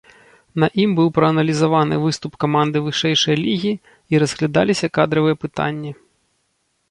На ім быў прааналізаваны выступ каманды вышэйшай лігі і разглядаліся кадравыя пытанні.